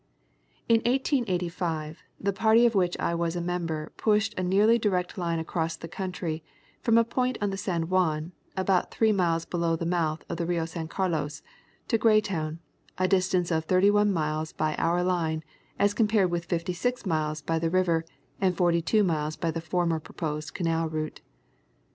In 1 885 the party of which I was a member pushed a nearly direct line across the country from a point on the San Juan, about three miles below the mouth of the Rio San Carlos, to Grey town, a distance of thirty one miles by our line, as compared with fifty six miles by the river and forty two miles by the former proposed canal route.